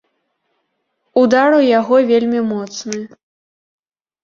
Удар у яго вельмі моцны.